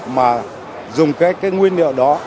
mà dùng các nguyên liệu đó